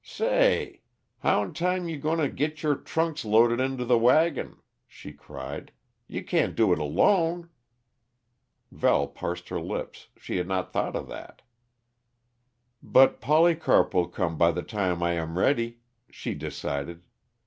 "Say! How'n time you goin' to git your trunks loaded into the wagon?" she cried. "You can't do it alone." Val parsed her lips; she had not thought of that. "But Polycarp will come, by the time I am ready," she decided.